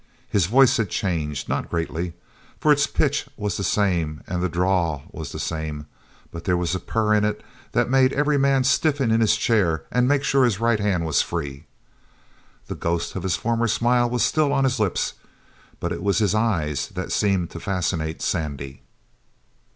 His voice had changed not greatly, for its pitch was the same and the drawl was the same but there was a purr in it that made every man stiffen in his chair and make sure that his right hand was free. The ghost of his former smile was still on his lips, but it was his eyes that seemed to fascinate Sandy.